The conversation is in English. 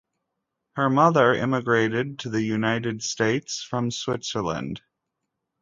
Her mother immigrated to the United States from Switzerland.